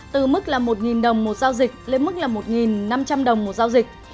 từ mức là một đồng một giao dịch lên mức là một năm trăm linh đồng một giao dịch